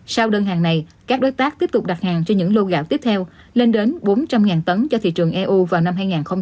sau đơn hàng này các đối tác tiếp tục đặt hàng cho những lô gạo tiếp theo lên đến bốn trăm linh tấn cho thị trường eu vào năm hai nghìn hai mươi